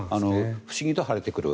不思議と晴れてくる。